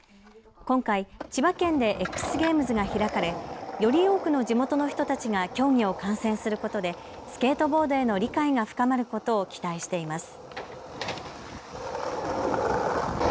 今回、千葉県でＸゲームズが開かれより多くの地元の人たちが競技を観戦することでスケートボードへの理解が深まることを期待しています。